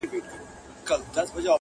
نن قانون او حیا دواړه له وطنه کوچېدلي؛